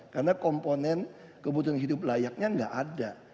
karena komponen kebutuhan hidup layaknya enggak ada